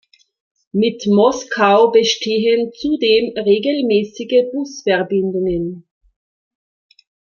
Mit Moskau bestehen zudem regelmäßige Busverbindungen.